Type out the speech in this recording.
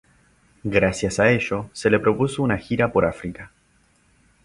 Gracias a ello se le propuso una gira por África.